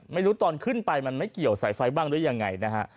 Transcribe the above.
ไม่รู้ตอนขึ้นไปมันไม่เกี่ยวสายไฟบ้างด้วยอย่างไร